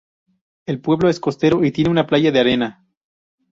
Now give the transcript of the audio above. El pueblo es costero y tiene una playa de arena.